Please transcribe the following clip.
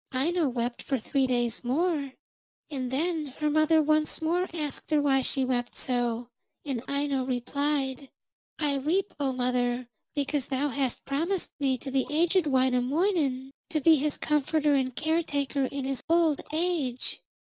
Aino wept for three days more, and then her mother once more asked her why she wept so, and Aino replied: 'I weep, O mother, because thou hast promised me to the aged Wainamoinen, to be his comforter and caretaker in his old age.